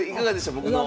僕の。